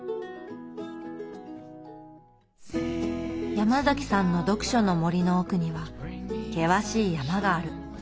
ヤマザキさんの読書の森の奥には険しい山がある。